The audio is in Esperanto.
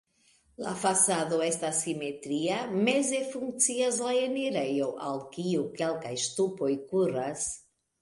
La fasado estas simetria, meze funkcias la enirejo, al kiu kelkaj ŝtupoj kuras.